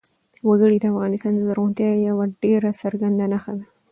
وګړي د افغانستان د زرغونتیا یوه ډېره څرګنده نښه ده.